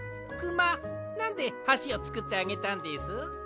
くまなんではしをつくってあげたんです？